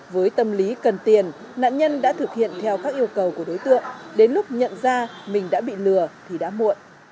với tâm lý cần tiền nạn nhân đã thực hiện theo các yêu cầu của đối tượng đến lúc nhận ra mình đã bị lừa thì đã muộn